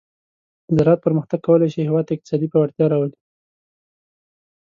د زراعت پرمختګ کولی شي هیواد ته اقتصادي پیاوړتیا راولي.